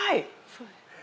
そうですね。